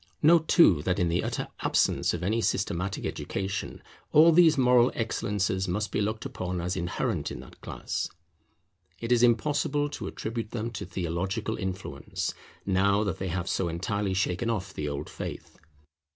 Note, too, that in the utter absence of any systematic education, all these moral excellences must be looked upon as inherent in the class. It is impossible to attribute them to theological influence, now that they have so entirely shaken off the old faith.